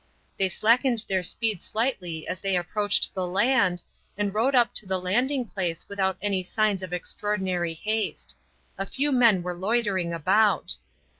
They slackened their speed slightly as they approached the land, and rowed up to the landing place without any signs of extraordinary haste. A few men were loitering about.